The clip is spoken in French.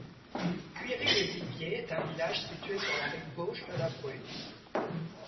Cuiry-lès-Iviers est un village situé sur la rive gauche de la Brune.